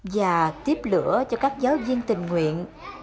và tiếp lửa cho các giáo viên